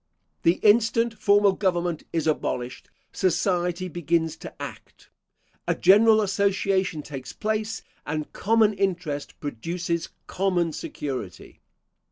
The instant formal government is abolished, society begins to act: a general association takes place, and common interest produces common security.